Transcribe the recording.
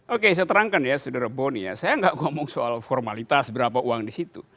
oke saya terangkan ya saudara boni ya saya nggak ngomong soal formalitas berapa uang di situ